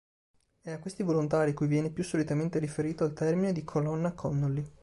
È a questi volontari cui viene più solitamente riferito il termine di Colonna Connolly.